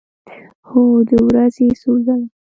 هو، د ورځې څو ځله